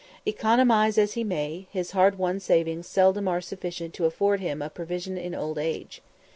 Economise as he may, his hard won savings seldom are sufficient to afford him a provision in old age.